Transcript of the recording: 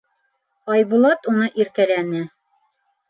Айбулат уны иркәләне.